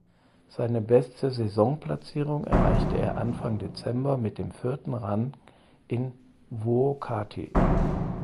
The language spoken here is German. Seine beste Saisonplatzierung erreichte er Anfang Dezember mit dem vierten Rang in Vuokatti.